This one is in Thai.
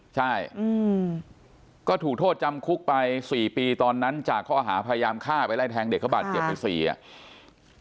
ใช่ก็ถูกโทษจำคุกไป๔ปีตอนนั้นจากข้อหาพยายามฆ่าไปไล่แทงเด็กเขาบาดเจ็บไปสี่อ่ะ